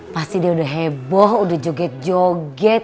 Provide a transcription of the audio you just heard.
pasti dia udah heboh udah joget joget